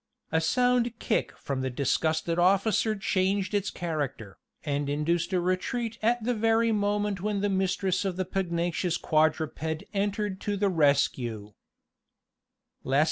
A sound kick from the disgusted officer changed its character, and induced a retreat at the very moment when the mistress of the pugnacious quadruped entered to the rescue.